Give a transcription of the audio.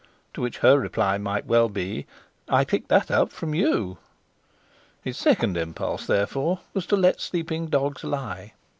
to which her reply might well be: 'I picked that up from you!' His second impulse therefore was to let sleeping dogs lie.